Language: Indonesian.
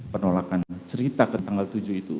penolakan cerita ke tanggal tujuh itu